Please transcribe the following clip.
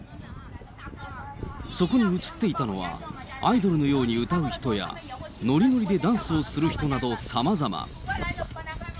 そこに写っていたのは、アイドルのように歌う人や、ノリノリでダンスをする人などさまざま。